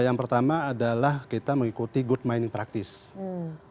yang pertama adalah kita mengikuti good mining practice